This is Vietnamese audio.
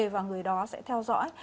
và người đó sẽ theo dõi